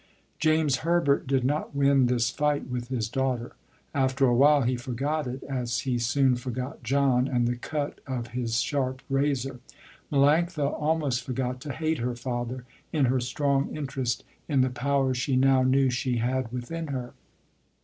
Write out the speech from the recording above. James Herbert did not win this fight with his daughter. After awhile he forgot it as he soon forgot John and the cut of his sharp razor. Melanctha almost forgot to hate her father, in her strong interest in the power she now knew she had within her.